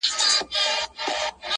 له ازله پیدا کړي خدای پمن یو -